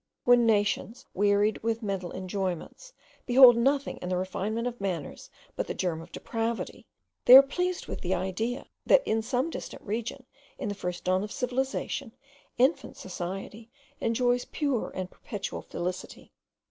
When nations, wearied with mental enjoyments, behold nothing in the refinement of manners but the germ of depravity, they are pleased with the idea, that in some distant region, in the first dawn of civilization, infant society enjoys pure and perpetual felicity.